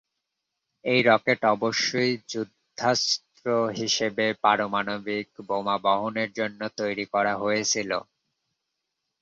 এই রকেট অবশ্য যুদ্ধাস্ত্র হিসাবে পারমাণবিক বোমা বহনের জন্য তৈরি করা হয়েছিল।